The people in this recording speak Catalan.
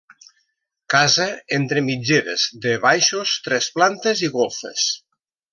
Casa entre mitgeres de baixos, tres plantes i golfes.